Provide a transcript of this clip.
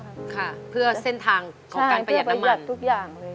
ค่ะเพื่อเส้นทางของการประหยัดน้ำมันใช่เพื่อประหยัดทุกอย่างเลย